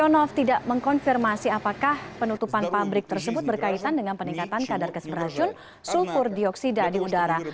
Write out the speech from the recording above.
heranov tidak mengkonfirmasi apakah penutupan pabrik tersebut berkaitan dengan peningkatan kadar gas beracun sulfur dioksida di udara